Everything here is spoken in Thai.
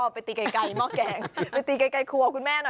ไปตีไกลมอกแกงไปตีไกลคัว